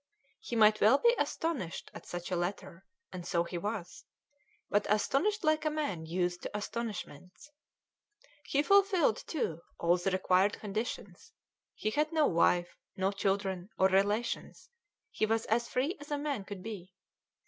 He might well be astonished at such a letter, and so he was, but astonished like a man used to astonishments. He fulfilled, too, all the required conditions: he had no wife, children, or relations; he was as free as a man could be.